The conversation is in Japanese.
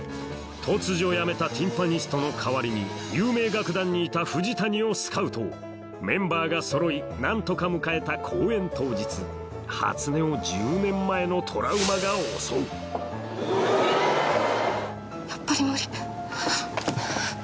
突如辞めたティンパニストの代わりに有名楽団にいた藤谷をスカウトメンバーがそろい何とか迎えた公演当日初音を１０年前のトラウマが襲うやっぱり無理。